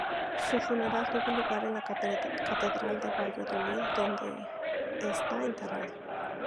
Su funeral tuvo lugar en la catedral de Valladolid, donde está enterrado.